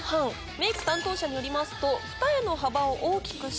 メーク担当者によりますと。